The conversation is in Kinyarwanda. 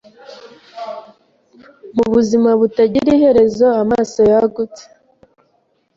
Mubuzimu butagira iherezo Amaso yagutse